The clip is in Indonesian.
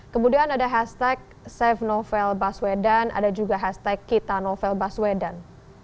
kemudian ada hashtag safe novel baswedan ada juga hashtag kita novel baswedan